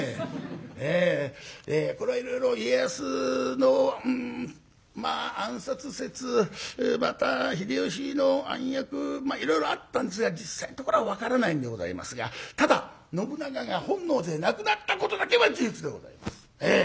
これはいろいろ家康のまあ暗殺説また秀吉の暗躍まあいろいろあったんですが実際のところは分からないんでございますがただ信長が本能寺で亡くなったことだけは事実でございます。